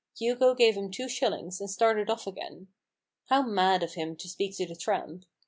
Hugo gave him two shillings, and started off again. How mad of him to speak to the tramp.